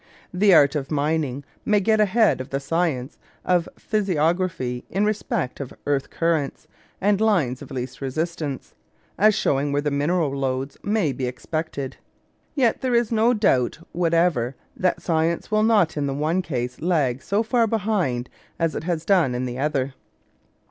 The art of mining may get ahead of the science of physiography in respect of earth currents and lines of least resistance, as showing where mineral lodes may be expected. Yet there is no doubt whatever that science will not in the one case lag so far behind as it has done in the other.